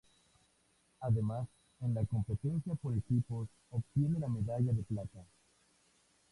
Además en la competencia por equipos obtiene la medalla de plata.